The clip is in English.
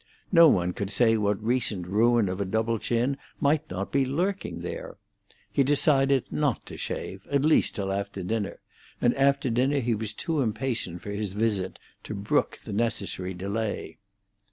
No one could say what recent ruin of a double chin might not be lurking there. He decided not to shave, at least till after dinner, and after dinner he was too impatient for his visit to brook the necessary delay.